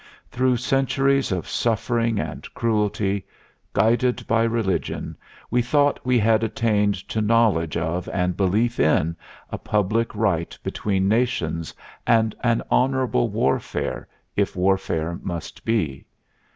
Through centuries of suffering and cruelty, guided by religion, we thought we had attained to knowledge of and belief in a public right between nations, and an honorable warfare, if warfare must be.